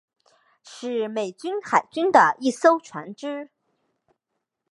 是美国海军的一艘船只。